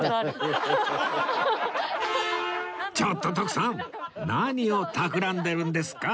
ちょっと徳さん何をたくらんでるんですか？